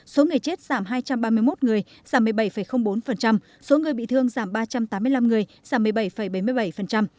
số người chết giảm hai trăm ba mươi một người giảm một mươi bảy bốn số người bị thương giảm ba trăm tám mươi năm người giảm một mươi bảy bảy mươi bảy